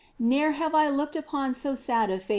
Ne'er have I looked upon so sad a fate.